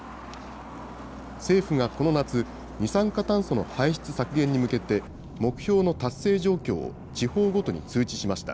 政府がこの夏、二酸化炭素の排出削減に向けて、目標の達成状況を地方ごとに通知しました。